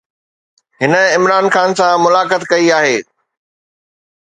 هن عمران خان سان ملاقات ڪئي آهي.